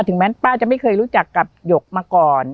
แม้ป้าจะไม่เคยรู้จักกับหยกมาก่อน